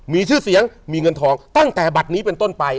มีชื่อเสียงมีเงินทองตั้งแต่บัตรนี้เป็นต้นไป